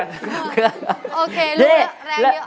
โอเครู้แล้วแรงเยอะ